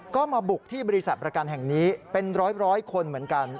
ก็มาบุกที่บริษัทประกันแห่งนี้เป็นร้อยคนเหมือนกัน